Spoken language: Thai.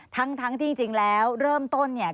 ทั้งที่จริงแล้วเริ่มต้นเนี่ย